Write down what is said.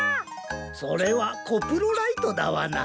それはコプロライトダワナ。